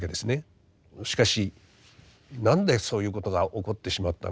しかし何でそういうことが起こってしまったのか。